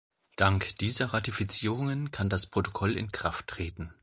Dank dieser Ratifizierungen kann das Protokoll in Kraft treten.